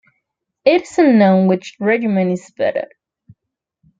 It is unknown which regimen is better.